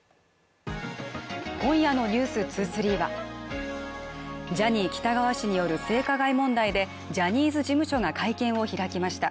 今夜の「ｎｅｗｓ２３」はジャニー喜多川氏による性加害問題でジャニーズ事務所が会見を開きました